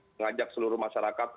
mengajak seluruh masyarakat